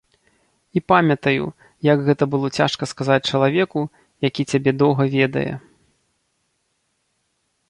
І памятаю, як гэта было цяжка сказаць чалавеку, які цябе доўга ведае.